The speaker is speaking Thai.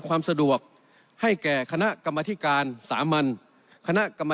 ความสะดวกให้แก่คณะกรรมธิการสามัญคณะกรรม